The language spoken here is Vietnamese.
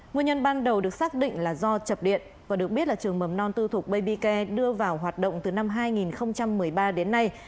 nguyên nhân ban đầu được xác định là do chập điện và được biết là trường mầm non tư thuộc babica đưa vào hoạt động từ năm hai nghìn một mươi ba đến nay